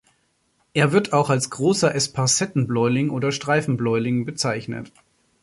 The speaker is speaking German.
Er wird auch als Großer Esparsetten-Bläuling oder Streifen-Bläuling bezeichnet.